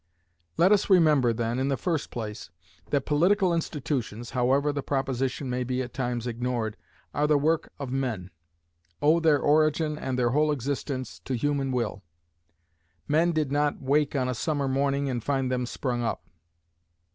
Let us remember, then, in the first place, that political institutions (however the proposition may be at times ignored) are the work of men owe their origin and their whole existence to human will. Men did not wake on a summer morning and find them sprung up.